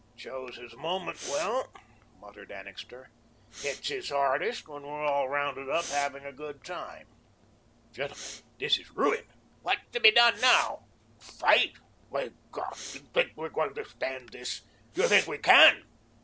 "Chose his moment well," muttered Annixter. "Hits his hardest when we're all rounded up having a good time." "Gentlemen, this is ruin." "What's to be done now?" "FIGHT! My God! do you think we are going to stand this? Do you think we CAN?"